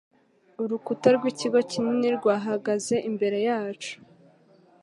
Urukuta rw'ikigo kinini rwahagaze imbere yacu